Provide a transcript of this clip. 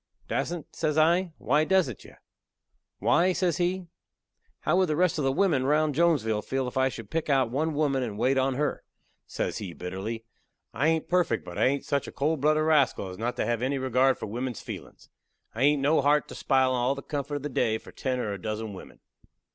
"Dassent!" says I. "Why dassent you?" "Why," says he, "how would the rest of the wimmin round Jonesville feel if I should pick out one woman and wait on her?" Says he bitterly: "I hain't perfect, but I hain't such a cold blooded rascal as not to have any regard for wimmen's feelin's. I hain't no heart to spile all the comfort of the day for ten or a dozen wimmen."